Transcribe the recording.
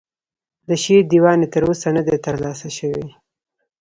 د شعر دیوان یې تر اوسه نه دی ترلاسه شوی.